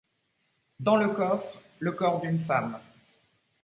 Dans le coffre, le corps d’une femme.